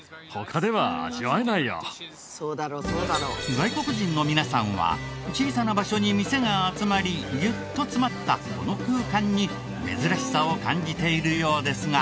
外国人の皆さんは小さな場所に店が集まりギュッと詰まったこの空間に珍しさを感じているようですが。